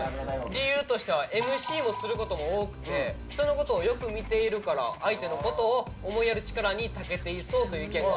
理由としてはＭＣをする事も多くて人の事をよく見ているから相手の事を思いやる力にたけていそうという意見が。